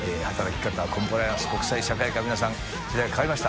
コンプライアンス国際社会化Г気時代変わりました。